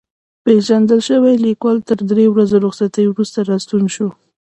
پېژندل شوی لیکوال تر درې ورځو رخصتۍ وروسته راستون شو.